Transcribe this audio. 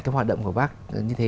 cái hoạt động của bác như thế